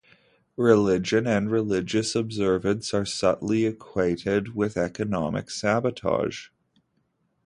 Religion and religious observance are subtly equated with economic sabotage.